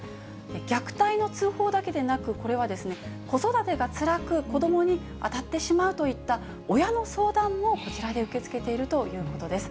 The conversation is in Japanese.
虐待の通報だけでなく、これは子育てがつらく、子どもに当たってしまうといった、親の相談もこちらで受け付けているということです。